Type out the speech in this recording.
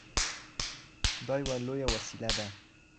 دا يوه لويه وسيله ده.